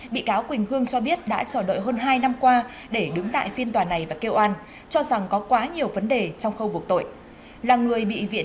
bị cáo quỳnh hương cho biết đã chờ đợi hơn hai năm qua để đứng tại phiên tòa này và kêu an cho rằng có quá nhiều vấn đề trong khâu buộc tội